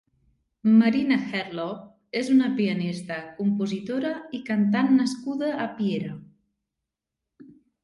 Marina Herlop és una pianista, compositora i cantant nascuda a Piera.